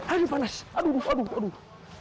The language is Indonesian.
aduh panas aduh aduh aduh